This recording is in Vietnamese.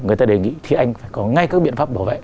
người ta đề nghị thì anh phải có ngay các biện pháp bảo vệ